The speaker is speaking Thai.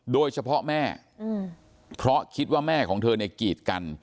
โดยเฉพาะแม่เพราะคิดว่าแม่ของเธอเนี่ยกีดกัน